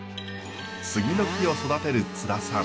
杉の木を育てる津田さん。